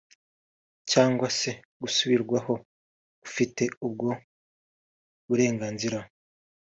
cyangwa se gusubirwaho afite ubwo burenganzira